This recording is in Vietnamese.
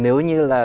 nếu như là